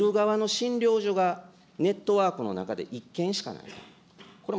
それから見る側の診療所がネットワークの中で１件しかない。